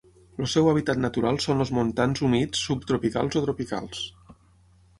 El seu hàbitat natural són els montans humits subtropicals o tropicals.